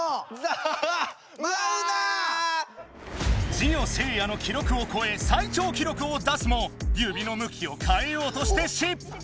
ジオせいやの記録をこえ最長記録を出すも指のむきをかえようとして失敗！